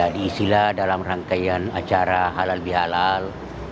diisilah dalam rangkaian acara halal bihalal